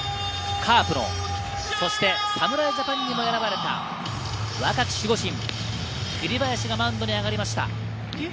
カープの、そして侍ジャパンにも選ばれた若き守護神・栗林がマウンドに上がりました。